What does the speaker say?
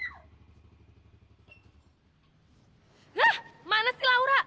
hah mana sih laura